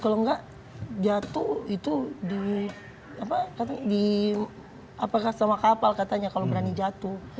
kalau enggak jatuh itu di apa kata di apa sama kapal katanya kalau berani jatuh